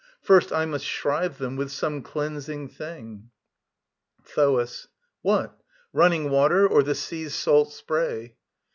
First I must shrive them with some cleansing thing. THOAS. What? Running water, or the sea's salt spray?